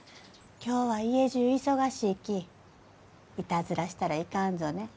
今日は家じゅう忙しいき。いたずらしたらいかんぞね。